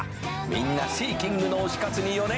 「みんなシーキングの推し活に余念がない」